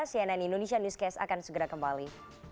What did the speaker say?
cnn indonesia newscast akan segera kembali